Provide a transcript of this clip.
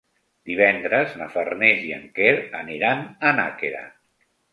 Divendres na Farners i en Quer aniran a Nàquera.